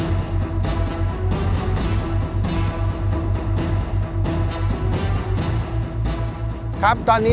และกลางทะเลสายอันกว้างใหญ่